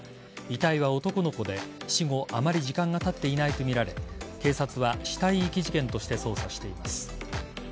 遺体は男の子で死後、あまり時間がたっていないとみられ警察は死体遺棄事件として捜査しています。